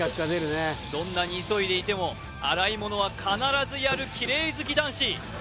どんなに急いでいても洗い物は必ずやるきれい好き男子